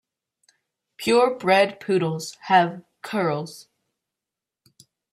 Pure bred poodles have curls.